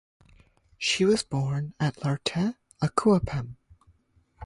She was born at Larteh Akuapem.